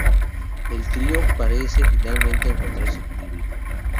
El trío parece finalmente encontrar su equilibrio.